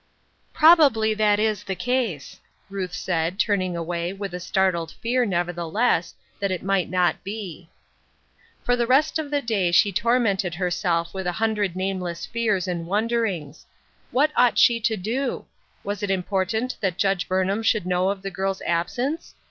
" Probably that is the case," Ruth said, turning away, with a startled fear, nevertheless, that it might not be. 2l6 STORMY WEATHER. For the rest of the day she tormented herself with a hundred nameless fears and wonderings. What ought she to do ? Was it important that Judge Burnham should know of the girl's absence?